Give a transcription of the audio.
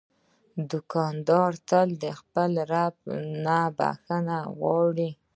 دوکاندار تل د خپل رب نه بخښنه غواړي.